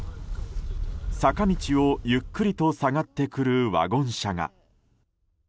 坂道をゆっくりと下がってくるワゴン車が。